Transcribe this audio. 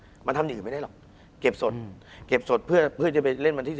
มันทำอย่างอื่นไม่ได้หรอกเก็บสดเก็บสดเพื่อเพื่อจะไปเล่นวันที่๑